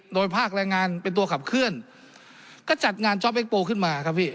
โดยภาคแรงงานเป็นตัวขับเคลื่อนก็จัดงานจ๊อปเอ็กโปลขึ้นมาครับพี่